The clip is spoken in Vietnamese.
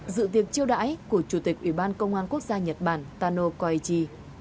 dự tiệc chiêu đãi của chủ tịch ủy ban công an quốc gia nhật bản tano koeichi